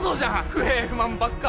不平不満ばっか！